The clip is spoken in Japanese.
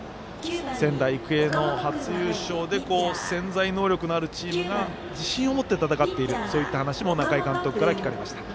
仙台育英も初優勝で潜在能力のあるチームが自信を持って戦っているという話も仲井監督から聞かれました。